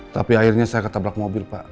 tapi akhirnya saya ketabrak mobil pak